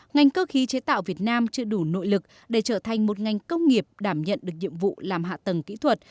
ngành cơ khí chế tạo việt nam chưa đủ nội lực để trở thành một ngành công nghiệp đảm nhận được nhiệm vụ làm hạ tầng kỹ thuật